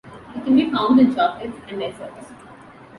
It can be found in chocolates and desserts.